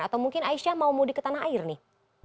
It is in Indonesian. atau mungkin aisyah mau mudik ke tanah air nih